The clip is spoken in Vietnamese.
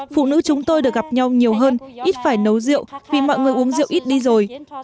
phụ nữ chúng tôi được gặp nhau nhiều hơn ít phải nấu rượu vì mọi người uống rượu ít đi rồi